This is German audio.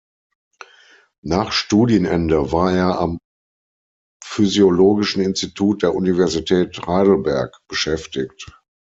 Nach Studienende war er am Physiologischen Institut der Universität Heidelberg beschäftigt.